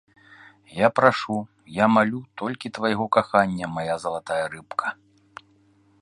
Я прашу, я малю толькі твайго кахання, мая залатая рыбка.